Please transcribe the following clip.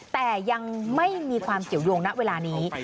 แต่ยังไม่มีความเกี่ยวยงณเวลานี้